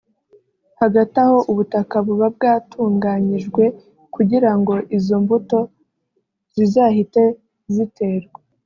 Hagati aho ubutaka buba bwatunganyijwe kugira ngo izo mbuto zizahite ziterwa